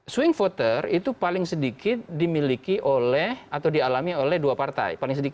swing voter itu paling sedikit dialami oleh dua partai